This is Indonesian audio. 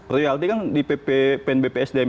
royalti kan di pnbpsdm